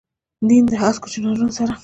دبڼ دهسکو چنارونو سره ،